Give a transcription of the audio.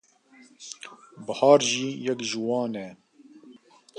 Bihar jî yek ji wan e.